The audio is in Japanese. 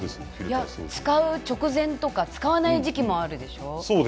いや使う直前とか使わない時期もあるでしょう。